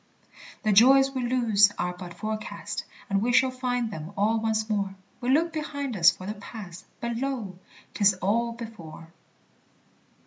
The joys we lose are but forecast, And we shall find them all once more; We look behind us for the Past, But lo! 'tis all before!